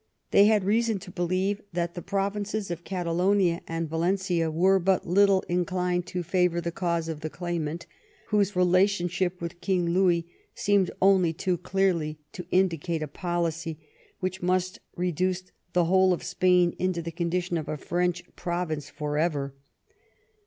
They had reason to believe that the provinces of Cata lonia and Valencia were but little inclined to favor the cause of the claimant, whose relationship with King Louis seemed only too clearly to indicate a policy which must reduce the whole of Spain into the condi tion of a French province forever.